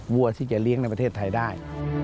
วัวที่จะเลี้ยงในประเทศไทยได้